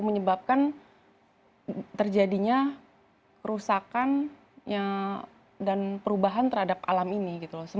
menyebabkan terjadinya kerusakan dan perubahan terhadap alam ini